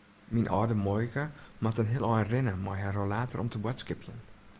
Myn âlde muoike moat in heel ein rinne mei har rollator om te boadskipjen.